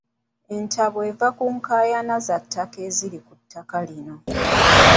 Entabwe eva ku nkaayana za ttaka eziri ku ttaka lino.